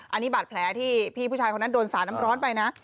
อันนี้บาดแผลที่พี่ผู้ชายคนนั้นโดนสาดน้ำร้อนไปนะ